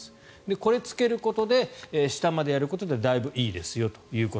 これをつけることで下までやることでだいぶいいですよと。